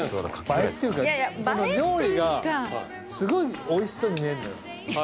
映えっていうか料理がすごい美味しそうに見えるのよ。